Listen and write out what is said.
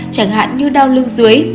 chẳng hạn như đau lưng dưới